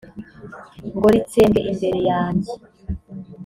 ngo ritsembwe imbere yanjye